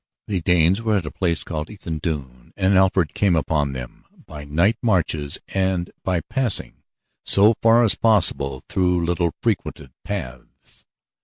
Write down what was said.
The Danes were at a place called Ethandune, and Alfred came upon them by night marches and by passing so far as possible through little frequented paths.